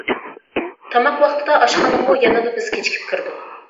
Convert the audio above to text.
تاماق ۋاقتىدا ئاشخانىغىمۇ يەنىلا بىز كېچىكىپ كىردۇق.